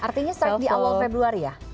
artinya di awal februari ya